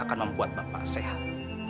akan membuat bapak sehat